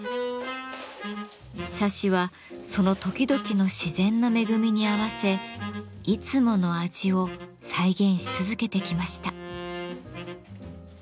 茶師はその時々の自然の恵みに合わせいつもの味を再現し続けてきました。